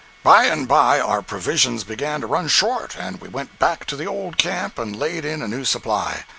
By and by our provisions began to run short, and we went back to the old camp and laid in a new supply.